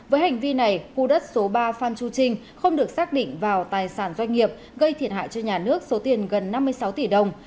với hành vi này khu đất số ba phan chu trinh không được xác định vào tài sản doanh nghiệp gây thiệt hại cho nhà nước số tiền gần năm mươi sáu tỷ đồng